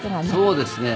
そうですね。